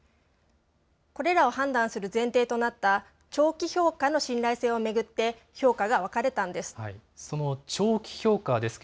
これらを判断する前提となった長期評価の信頼性を巡って、評価が分かれたんです。